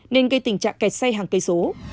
nên gây tình trạng kẹt xe hàng cây số